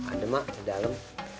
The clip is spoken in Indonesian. ada mak di dalam